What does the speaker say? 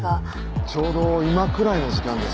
ちょうど今くらいの時間です。